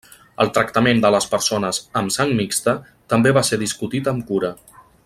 El tractament de les persones amb 'sang mixta' també va ser discutit amb cura.